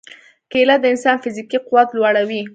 کېله د انسان فزیکي قوت لوړوي.